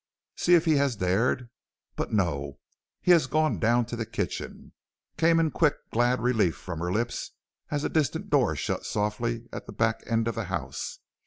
see if he has dared but no, he has gone down to the kitchen,' came in quick glad relief from her lips as a distant door shut softly at the back end of the house.